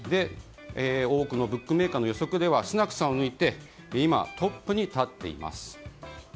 多くのブックメーカーの予測ではスナクさんを抜いて今、トップに立っています。